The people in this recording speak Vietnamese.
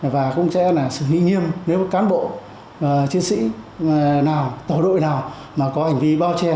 và cũng sẽ là xử lý nghiêm nếu cán bộ chiến sĩ nào tổ đội nào mà có hành vi bao che